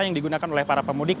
yang digunakan oleh para pemudik